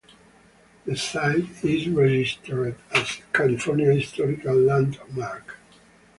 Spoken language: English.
The site is registered as California Historical Landmark.